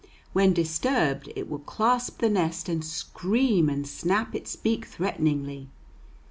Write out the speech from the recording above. When disturbed, it will clasp the nest and scream and snap its beak threateningly.